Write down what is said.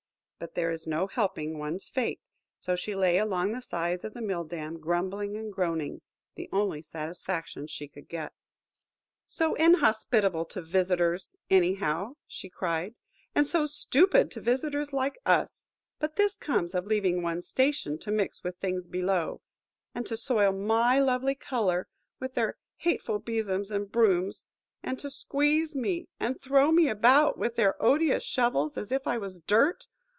But there is no helping one's fate, so she lay along the sides of the mill dam, grumbling and groaning–the only satisfaction she could get. "So inhospitable to visitors, anyhow," cried she; "and so stupid to visitors like us! But this comes of leaving one's station to mix with things below. And to soil my lovely colour with their hateful besoms and brooms! And to squeeze me, and throw me about with their odious shovels, as if I was dirt!